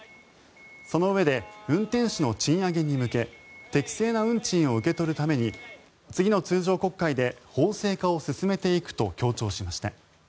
そのうえで運転手の賃上げに向け適正な運賃を受け取るために次の通常国会で法制化を進めていくと強調しました。